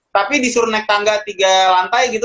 tapi disuruh naik tangga tiga lantai gitu